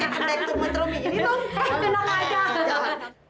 kamu kena dek turun matrami ini dong